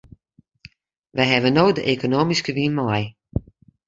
Wy hawwe no de ekonomyske wyn mei.